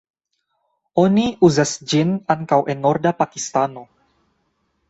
Oni uzas ĝin ankaŭ en norda Pakistano.